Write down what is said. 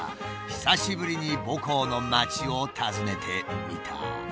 久しぶりに母校の街を訪ねてみた。